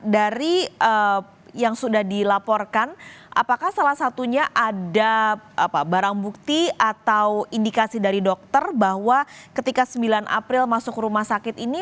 dari yang sudah dilaporkan apakah salah satunya ada barang bukti atau indikasi dari dokter bahwa ketika sembilan april masuk rumah sakit ini